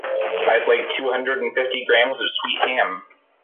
I’d like two hundred and fifty grams of sweet ham.